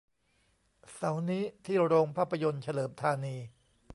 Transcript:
เสาร์นี้ที่โรงภาพยนตร์เฉลิมธานี